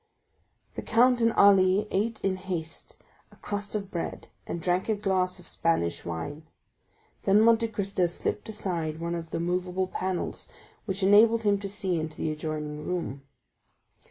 The count and Ali ate in haste a crust of bread and drank a glass of Spanish wine; then Monte Cristo slipped aside one of the movable panels, which enabled him to see into the adjoining room.